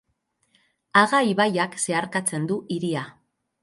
Aga ibaiak zeharkatzen du hiria.